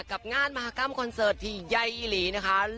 กับงานมหากรรมคอนเสิร์ตที่ใยอีหลีนะคะ